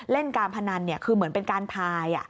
เล่นการพนันคือเหมือนเป็นการทาย